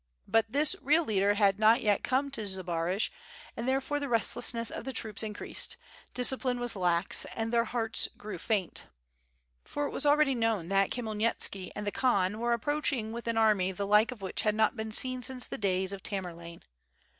But this real leader had not yet come to Zbaraj and there fore the restlessness of the troops increased, discipline was lax, and their hearts grew faint. For it was already known that Khmyelnitski and the Khan were approaching with an army the like of which had not been seen since the days of Tamerlane.